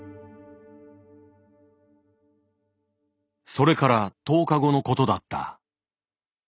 それから１０日後のことだった。